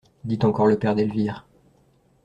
Dit encore le père d'Elvire.